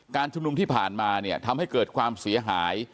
ชุมนุมที่ผ่านมาเนี่ยทำให้เกิดความเสียหาย